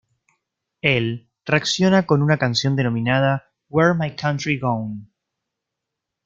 Él reacciona con una canción denominada, "Where My Country Gone?